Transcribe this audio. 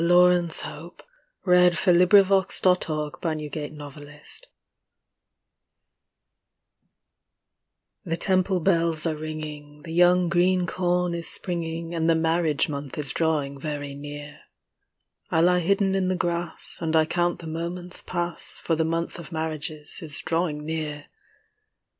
VALGOVIND'S SONG IN THE SPRING VALGOVIND'S SONG IN THE SPRING *HE TEMPLE BELLS ARE RINGING, The young green corn is springing, And the marriage month is drawing very near. I lie hidden in the grass, And I count the moments pass, For the month of marriages is drawing near.